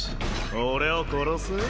俺を殺す？